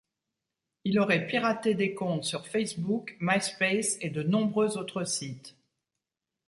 Il aurait piraté des comptes sur Facebook, Myspace et de nombreux autres sites.